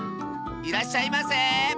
いらっしゃいませ！